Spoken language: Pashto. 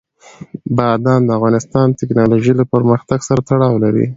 بادام د افغانستان د تکنالوژۍ له پرمختګ سره تړاو لري.